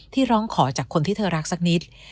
ร้องขอจากคนที่เธอรักสักนิด